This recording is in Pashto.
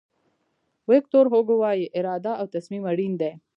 ویکتور هوګو وایي اراده او تصمیم اړین دي.